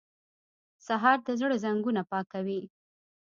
سهار د زړه زنګونه پاکوي.